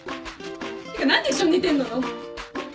てか何で一緒に寝てんのよ。